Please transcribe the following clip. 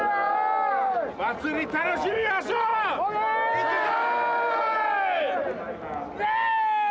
いくぞ！